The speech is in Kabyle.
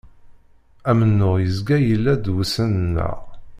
Amennuɣ yezga yella d wussan-nneɣ.